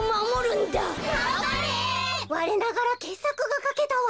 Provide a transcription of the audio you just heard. われながらけっさくがかけたわ。